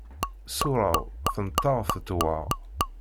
Ṣṣura-w tenṭer tettwaɣ.